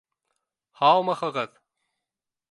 — Һаумыһығыҙ!